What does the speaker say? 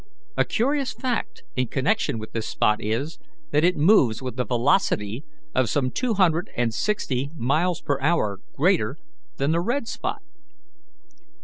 A curious fact in connection with this spot is, that it moves with a velocity of some two hundred and sixty miles per hour greater than the red spot.